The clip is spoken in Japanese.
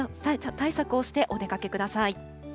対策をしてお出かけください。